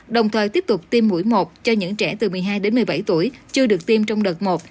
đồng thời tiếp tục tiêm mũi một cho những trẻ từ một mươi hai đến một mươi bảy tuổi chưa được tiêm trong đợt một